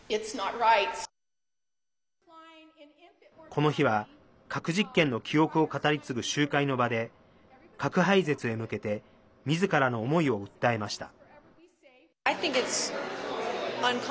この日は、核実験の記憶を語り継ぐ集会の場で核廃絶へ向けてみずからの思いを訴えました。